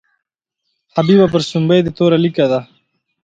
حبیبه پر سومبۍ دې توره لیکه ده.